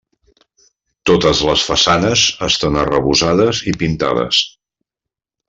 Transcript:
Totes les façanes estan arrebossades i pintades.